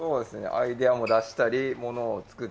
アイデアも出したりものを作ったり。